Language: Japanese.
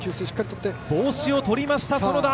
帽子を取りました、園田。